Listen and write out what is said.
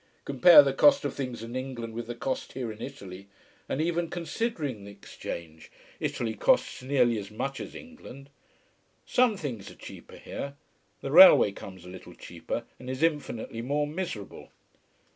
Compare the cost of things in England with the cost here in Italy, and even considering the exchange, Italy costs nearly as much as England. Some things are cheaper here the railway comes a little cheaper, and is infinitely more miserable.